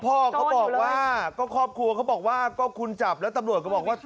พ่อเขาบอกว่าก็ครอบครัวเขาบอกว่าก็คุณจับแล้วตำรวจก็บอกว่า